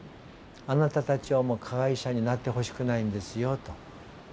あなたたちはもう加害者になってほしくないんですよと。